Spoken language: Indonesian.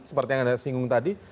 seperti yang anda singgung tadi